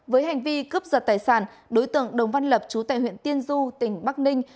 với hành vi cướp giật tài sản đối tượng đồng văn lập trú tại huyện tiên du tỉnh bắc ninh